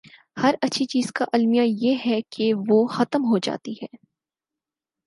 ہر اچھی چیز کا المیہ یہ ہے کہ وہ ختم ہو جاتی ہے۔